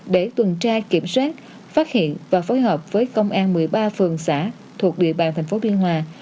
để tuần tra kiểm soát phát hiện và phối hợp với công an một mươi ba phường xã thuộc địa bàn thành phố biên hòa